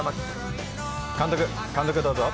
監督、どうぞ。